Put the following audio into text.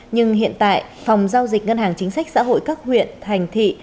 nhưng hiện tại phòng giao dịch ngân hàng chính sách xã hội các huyện thành thị